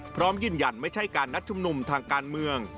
พร้อมยืนยันไม่ใช่การนัดชุมนุมทางการเมือง